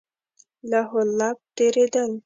لهو لعب تېرېدل.